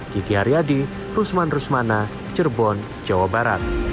gigi haryadi rusman rusmana cerbon jawa barat